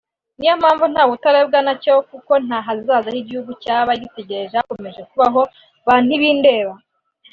niyo mpamvu ntawe utarebwa na cyo kuko nta hazaza igihugu cyaba gitegereje hakomeje kubaho ba ntibindeba